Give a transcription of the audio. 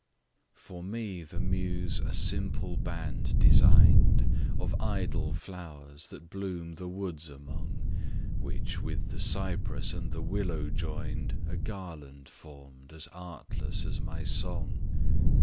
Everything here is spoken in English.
FOR me the Muse a simple band design'd Of 'idle' flowers that bloom the woods among, Which, with the cypress and the willow join'd, A garland form'd as artless as my song.